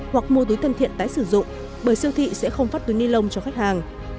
hoặc mua túi thân thiện tái sử dụng bởi siêu thị sẽ không phát túi ni lông cho khách hàng